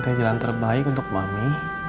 kehilangan jalan terbaik untuk mami